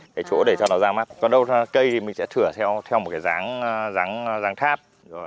cái chỗ để cho nó ra mắt còn đâu cây thì mình sẽ thử theo một cái dáng tháp